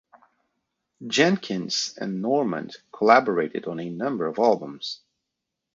Jenkins and Norman collaborated on a number of albums.